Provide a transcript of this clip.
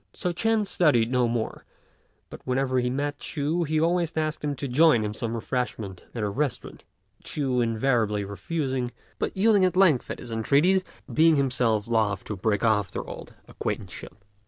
So Ch'ên studied no more, but whenever he met Ch'u he always asked him to join in some refreshment at a restaurant, Ch'u invariably refusing, but yielding at length to his entreaties, being himself loth to break off their old acquaintanceship.